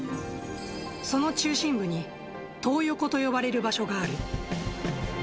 その中心部に、トー横と呼ばれる場所がある。